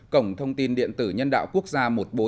cổng thông tin điện tử nhân đạo quốc gia một nghìn bốn trăm linh